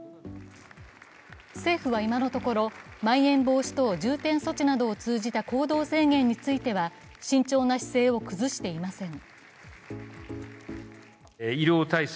政府は今のところ、まん延防止等重点措置などを通じた行動制限については慎重な姿勢を崩していません。